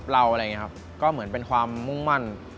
อะไรอย่างนี้ครับก็เหมือนเป็นความมุ่งมั่น